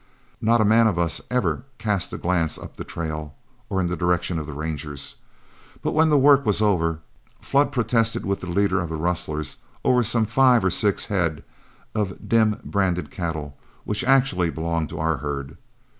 Not a man of us even cast a glance up the trail, or in the direction of the Rangers; but when the work was over, Flood protested with the leader of the rustlers over some five or six head of dim branded cattle which actually belonged to our herd.